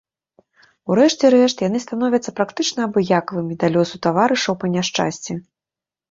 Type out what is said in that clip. У рэшце рэшт яны становяцца практычна абыякавымі да лёсу таварышаў па няшчасці.